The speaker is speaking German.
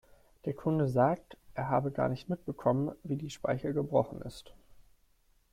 Der Kunde sagt, er habe gar nicht mitbekommen, wie die Speiche gebrochen ist.